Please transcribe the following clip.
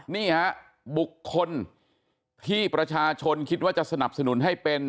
นี่ฮะบุคคลที่ประชาชนคิดว่าจะสนับสนุนให้เป็น